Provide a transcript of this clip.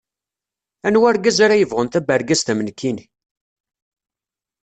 Anwa argaz ara yebɣun tabergazt am nekkini?